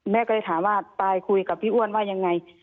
แม่ก็เลยถามว่าปลายคุยกับพี่อ้วนว่ายังไง